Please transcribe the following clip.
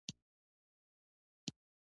خلعت ورکړی وو.